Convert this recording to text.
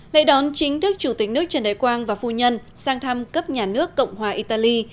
lễ đón chính thức chủ tịch nước trần đại quang và phu nhân sang thăm cấp nhà nước cộng hòa italy